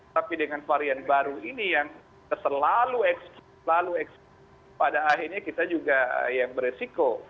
tapi dengan varian baru ini yang selalu pada akhirnya kita juga yang beresiko